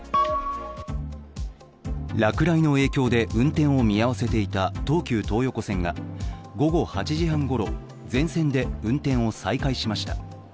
落雷の影響で運転を見合わせていた東急東横線が午後８時半ごろ、全線で運転を再開しました。